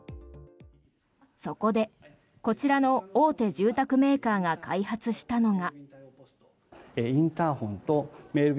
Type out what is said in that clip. そこでこちらの大手住宅メーカーが開発したのが。